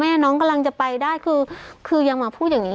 น้องกำลังจะไปได้คือยังมาพูดอย่างนี้